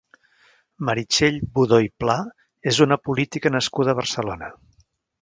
Meritxell Budó i Pla és una política nascuda a Barcelona.